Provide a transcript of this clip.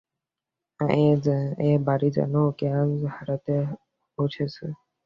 এ বাড়ি যেন ওকে আজ হারাতে বসেছে।